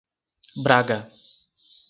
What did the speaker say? Braga